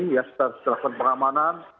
ya setelah pengamanan